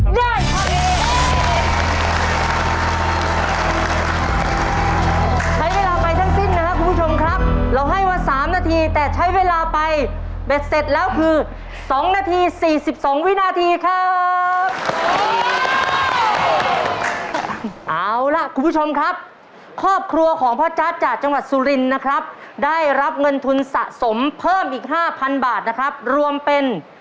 แล้วเขาไปหยิบอุปกรณ์๑ชิ้นมาให้แม่